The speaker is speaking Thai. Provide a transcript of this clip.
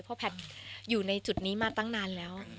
สินใจของพุทธนี่มาตั้งนานแล้ว